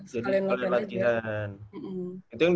jadi sekalian sekalian aja